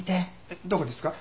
えっどこですか？